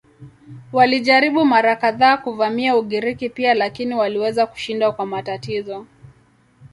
Walijaribu mara kadhaa kuvamia Ugiriki pia lakini waliweza kushindwa kwa matatizo.